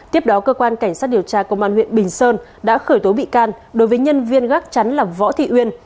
tiếp đó cơ quan cảnh sát điều tra công an huyện bình sơn đã khởi tố bị can đối với nhân viên gác chắn là võ thị uyên